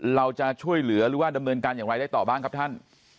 เราจะช่วยเหลือหรือว่าดำเนินการอย่างไรได้ต่อบ้างครับท่าน